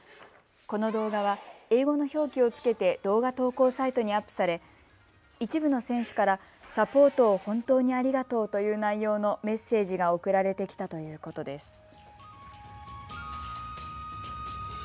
この動画は英語の表記をつけて動画投稿サイトにアップされ一部の選手からサポートを本当にありがとうという内容のメッセージが送られてきたということです。